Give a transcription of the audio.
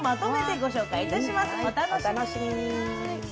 お楽しみに。